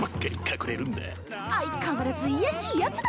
相変わらず卑しいやつだ